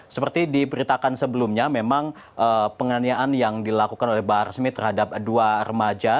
seperti diberitakan sebelumnya memang penganiayaan yang dilakukan oleh bahar smith terhadap dua remaja